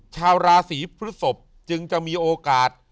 ชาวราศีพฤศพจึงจะมีโอกาส